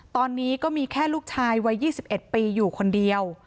ตอนนี้ก็มีแค่ลูกชายวัย๒๑ปีอยู่คนเดียว